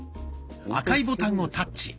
赤いボタンをタッチ。